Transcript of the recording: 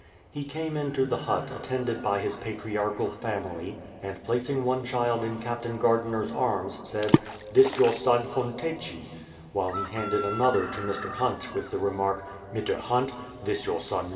He came into the hut attended by his patriarchal family, and placing one child in Captain Gardiner"'s arms said, "This your son Hontechi"; while he handed another to Mr. Hunt with the remark, "Mitter Hunt, this your son Lux."